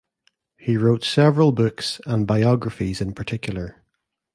He wrote several books and biographies in particular.